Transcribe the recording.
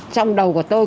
trong đầu của tôi